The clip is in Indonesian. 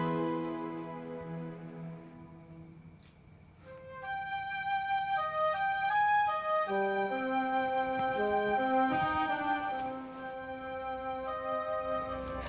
ini dokter dari cidahu